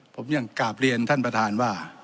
ผมยังกราบเรียนท่านประธานว่า